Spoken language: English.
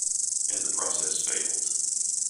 And the process failed.